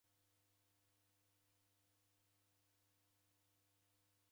Bado ndouzoye kazi yape.